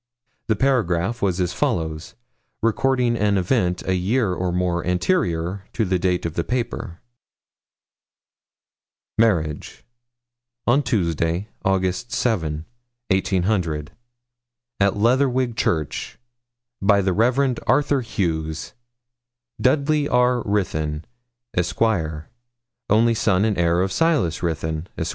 The paragraph was as follows, recording an event a year or more anterior to the date of the paper: 'MARRIAGE. On Tuesday, August 7, 18 , at Leatherwig Church, by the Rev. Arthur Hughes, Dudley R. Ruthyn, Esq., only son and heir of Silas Ruthyn, Esq.